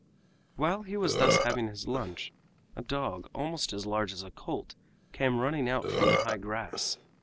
While he was thus having his lunch a dog almost as large as a colt came running out from the high grass.